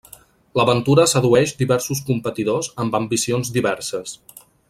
L'aventura sedueix diversos competidors amb ambicions diverses.